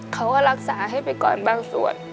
เขาก็รักษาให้ไปก่อนบางส่วน